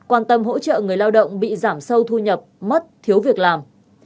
quan tâm hỗ trợ người lao động bị giảm sâu thu nhập mất thiếu việc làm